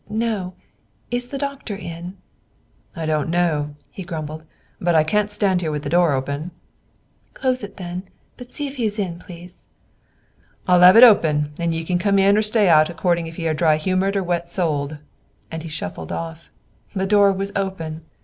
"No. Is the doctor in?" "I don't know," he grumbled, "and I can't stand here with the door open." "Close it, then, but see if he is in, please." "I'll lave it open, and ye can come in or stay out according if ye are dry humored or wet soled;" and he shuffled off. The door was open!